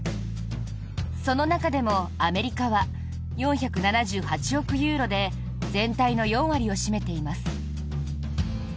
その中でも、アメリカは４７８億ユーロで全体の４割を占めています。